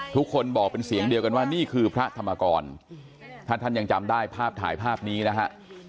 ทุกคนบอกเป็นเสียงเดียวกันว่านี่คือพระธรรมกรถ้าท่านยังจำได้ภาพถ่ายภาพนี้นะฮะ